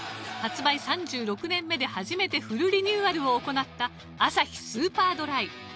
発売３６年目で初めてフルリニューアルを行ったアサヒスーパードライ。